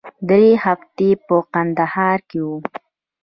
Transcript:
درې هفتې په کندهار کښې وو.